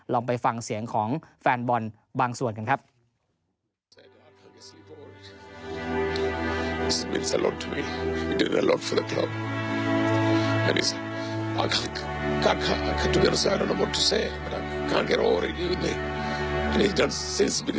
ลองไปฟังเสียงของแฟนบอลบางส่วนกันครับ